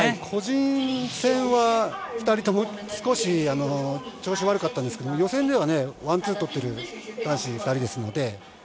個人戦は２人とも少し調子が悪かったんですが予選ではワンツーをとっている男子２人ですので。